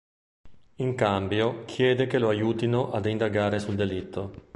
In cambio chiede che lo aiutino ad indagare sul delitto.